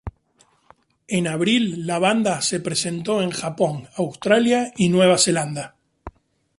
En abril, la banda se presentó en Japón, Australia y Nueva Zelanda.